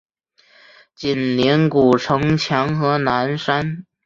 紧邻古城墙和南山。